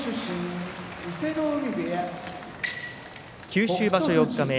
九州場所四日目